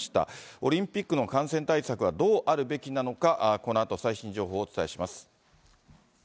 オリンピックの感染対策はどうあるべきなのか、このあと最新情報をお伝えします。